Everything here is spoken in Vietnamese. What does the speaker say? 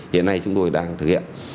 hiện nay chúng tôi đang thực hiện